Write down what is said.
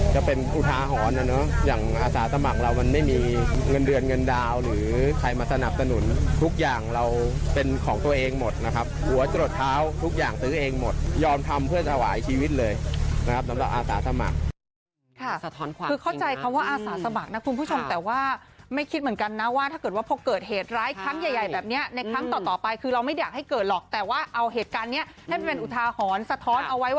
จะเป็นอุทาหรณ์นะเนอะอย่างอาสาสมัครเรามันไม่มีเงินเดือนเงินดาวน์หรือใครมาสนับสนุนทุกอย่างเราเป็นของตัวเองหมดนะครับหัวจรดเท้าทุกอย่างซื้อเองหมดยอมทำเพื่อสวายชีวิตเลยนะครับสำหรับอาสาสมัครค่ะสะท้อนความจริงค่ะคือเข้าใจคำว่าอาสาสมัครนะคุณผู้ชมแต่ว่าไม่คิดเหมือนกันนะว่าถ้าเกิ